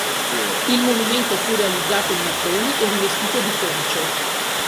Il monumento fu realizzato in mattoni e rivestito di concio.